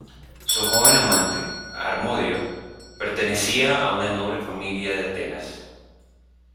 Su joven amante, Harmodio, pertenecía a una noble familia de Atenas.